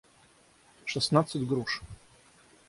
шестнадцать груш